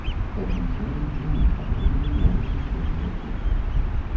Такім чынам быў устаноўлены новы сусветны рэкорд.